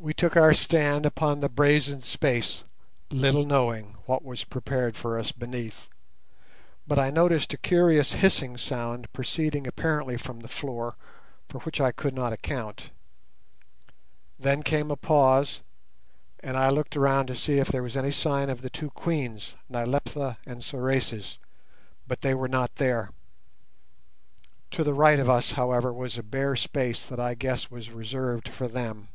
We took our stand upon the brazen space, little knowing what was prepared for us beneath, but I noticed a curious hissing sound proceeding apparently from the floor for which I could not account. Then came a pause, and I looked around to see if there was any sign of the two Queens, Nyleptha and Sorais, but they were not there. To the right of us, however, was a bare space that I guessed was reserved for them.